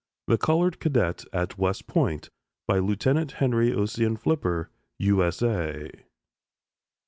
THE COLORED CADET AT WEST POINT LIEUT. HENRY OSSIAN FLIPPER, U. S. A.